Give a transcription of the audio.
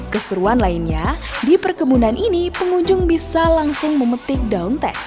keseruan lainnya di perkebunan ini pengunjung bisa langsung memetik daun teh